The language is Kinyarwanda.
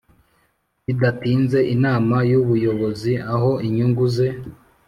bidatinze Inama y Ubuyobozi aho inyungu ze